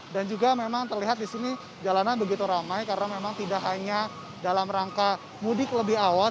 dan juga memang terlihat di sini jalanan begitu ramai karena memang tidak hanya dalam rangka mudik lebih awal